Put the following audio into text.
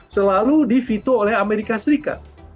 selalu divito oleh amerika serikat